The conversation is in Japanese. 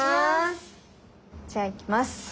じゃあいきます。